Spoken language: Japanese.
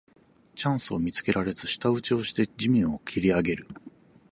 チャンスを見つけられず舌打ちをして地面をけりあげる